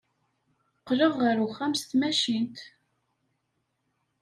Qqleɣ ɣer uxxam s tmacint.